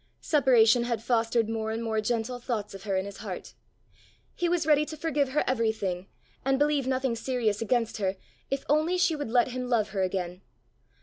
Separation had fostered more and more gentle thoughts of her in his heart; he was ready to forgive her everything, and believe nothing serious against her, if only she would let him love her again.